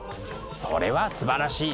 それはすばらしい！